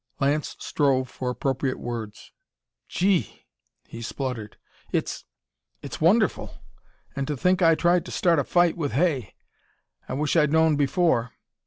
Lance strove for appropriate words. "Gee!" he spluttered. "It's it's wonderful! And to think I tried to start a fight with Hay! I wish I'd known before.